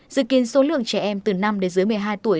dự kiến số lượng trẻ em từ năm đến dưới một mươi hai tuổi